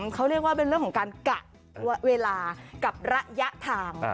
เขาเรียกว่าเป็นเรื่องของการกะเวลากับระยะทาง